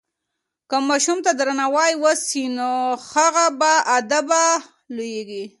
که ماشوم ته درناوی وسي نو هغه باادبه لویېږي.